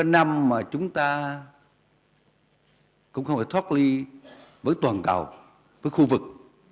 năm mà chúng ta cũng không phải thoát ly với toàn cầu với khu vực